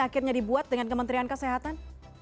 akhirnya dibuat dengan kementerian kesehatan